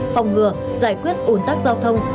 phòng ngừa giải quyết ổn tắc giao thông